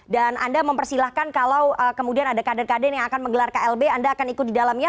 dan anda mempersilahkan kalau kemudian ada kader kader yang akan menggelar klb anda akan ikut di dalamnya